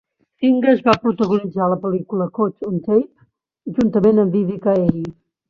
Fingaz va protagonitzar la pel·lícula "Caught On Tape" juntament amb Vivica A.